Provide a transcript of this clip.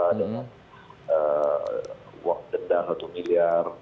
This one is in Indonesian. dengan uang denda satu miliar